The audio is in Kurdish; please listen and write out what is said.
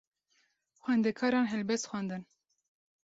Xwendekaran helbest xwendin.